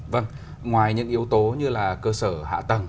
vâng ngoài những yếu tố như là cơ sở hạ tầng